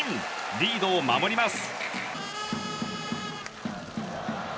リードを守ります。